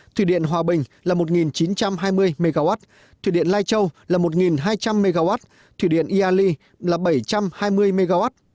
thủy điện hòa bình là một chín trăm hai mươi mw thủy điện lai châu là một hai trăm linh mw thủy điện iali là bảy trăm hai mươi mw